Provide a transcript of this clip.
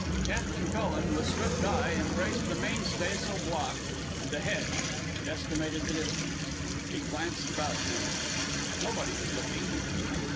Captain Cullen, with swift eye, embraced the mainstaysail block and the head and estimated the distance. He glanced about him. Nobody was looking.